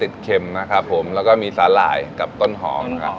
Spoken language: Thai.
เดี๋ยวไปรอทะละกันนะ